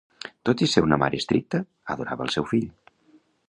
Tot i ser una mare estricta, adorava el seu fill.